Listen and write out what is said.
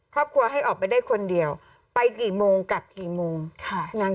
ครอบครัวให้ออกไปได้คนเดียวไปกี่โมงกลับกี่โมงค่ะนาง